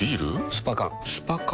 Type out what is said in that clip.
スパ缶スパ缶？